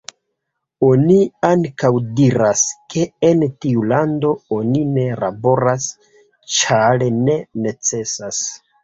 Oni ankaŭ diras, ke en tiu lando oni ne laboras, ĉar ne necesas.